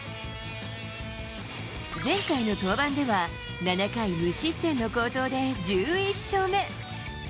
前回の登板では、７回無失点の好投で１１勝目。